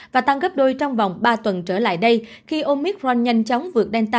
và tăng gấp đôi trong vòng ba tuần trở lại đây khi omicron nhanh chóng vượt delta